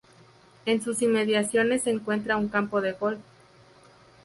En sus inmediaciones se encuentra un campo de golf.